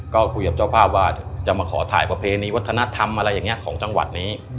ก็คุยกับเจ้าภาพว่าจะมาขอถ่ายประเพณีวัฒนธรรมอะไรอย่างนี้ของจังหวัดนี้